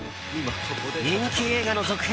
人気映画の続編